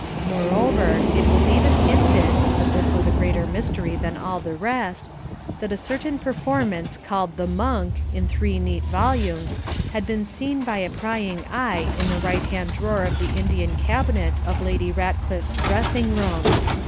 Moreover, it was even hinted (but this was a greater mystery than all the rest) that a certain performance called the 'Monk,' in three neat volumes, had been seen by a prying eye in the right hand drawer of the Indian cabinet of Lady Ratcliff's dressing room.